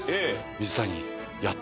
「水谷」。